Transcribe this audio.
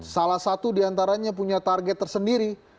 salah satu diantaranya punya target tersendiri